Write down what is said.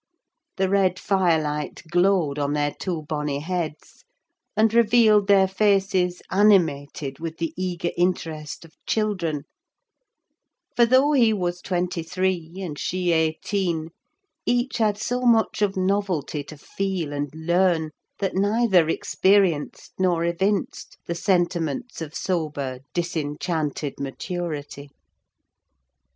The red fire light glowed on their two bonny heads, and revealed their faces animated with the eager interest of children; for, though he was twenty three and she eighteen, each had so much of novelty to feel and learn, that neither experienced nor evinced the sentiments of sober disenchanted maturity.